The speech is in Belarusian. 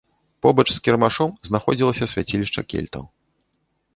Побач з кірмашом знаходзілася свяцілішча кельтаў.